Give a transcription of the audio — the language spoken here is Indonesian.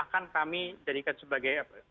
akan kami jadikan sebagai